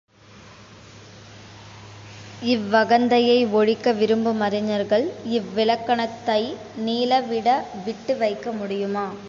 இவ்வகந்தையை ஒழிக்க விரும்புமறிஞர்கள் இவ்விலக்கணத்தை நிலவிட விட்டு வைக்க முடியுமா?